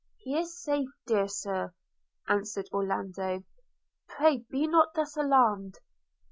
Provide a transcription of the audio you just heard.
– 'He is safe, dear Sir,' answered Orlando; 'pray be not thus alarmed.'